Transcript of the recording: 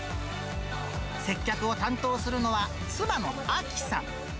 接客を担当するのは妻のあきさん。